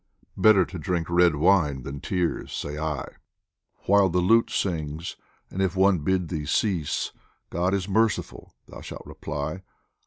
Better to drink red wine than tears, say I, While the lute sings ; and if one bid thee cease, " God is the merciful !" thou shalt reply.